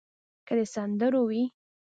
که د سندرو وي.